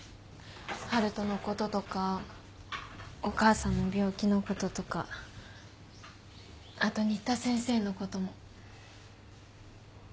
晴翔のこととかお母さんの病気のこととかあと新田先生のことも。